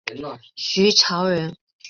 徐潮人。